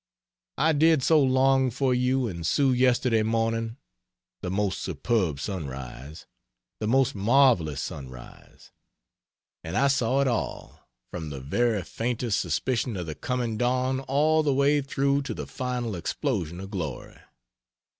I did so long for you and Sue yesterday morning the most superb sunrise! the most marvelous sunrise! and I saw it all from the very faintest suspicion of the coming dawn all the way through to the final explosion of glory.